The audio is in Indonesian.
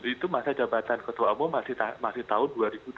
itu masa jabatan ketua umum masih tahun dua ribu dua puluh